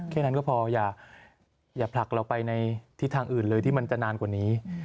แค่นั้นก็พออย่าผลักเราไปในทิศทางอื่นเลยที่มันจะนานกว่านี้